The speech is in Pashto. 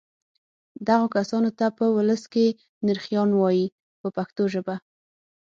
دغو کسانو ته په ولس کې نرخیان وایي په پښتو ژبه.